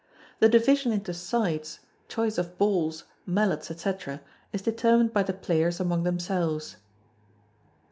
The division into sides, choice of balls, mallets, &c., is determined by the players among themselves.